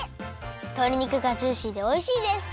とり肉がジューシーでおいしいです。